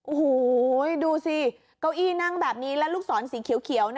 โอ้โหดูสิเก้าอี้นั่งแบบนี้และลูกศรสีเขียว